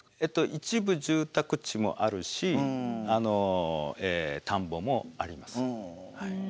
一部住宅地もあるし田んぼもあります。